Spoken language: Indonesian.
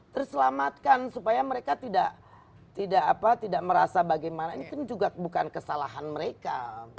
terselamatkan supaya mereka tidak merasa bagaimana ini kan juga bukan kesalahan mereka